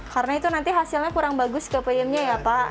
karena itu nanti hasilnya kurang bagus ke payamnya ya pak